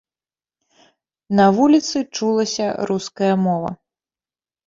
На вуліцы чулася руская мова.